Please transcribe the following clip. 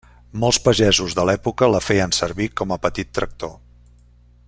Molts pagesos de l'època la feien servir com a petit tractor.